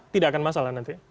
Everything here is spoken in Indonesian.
tidak akan masalah nanti